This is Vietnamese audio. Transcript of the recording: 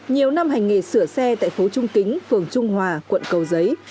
nhiều năm hành nghề sửa xe tại phố trung kính phường trung hòa quận cầu giấy